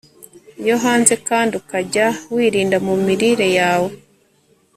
yo hanze kandi ukajya wirinda mu mirire yawe